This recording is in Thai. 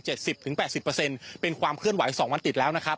สิบถึงแปดสิบเปอร์เซ็นต์เป็นความเคลื่อนไหวสองวันติดแล้วนะครับ